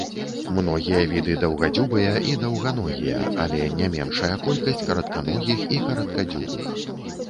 Многія віды даўгадзюбыя і даўганогія але не меншая колькасць каратканогіх і караткадзюбых.